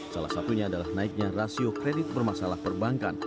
salah satunya adalah naiknya rasio kredit bermasalah perbankan